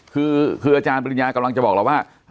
คืออาจารย์ปริญญากำลังจะบอกเราว่า